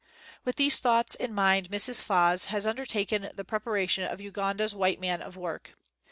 With these thoughts in mind Mrs. Fahs has undertaken the preparation of Ugan da's White Man of Work.